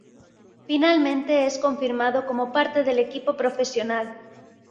Finalmente es confirmado como parte del equipo profesional.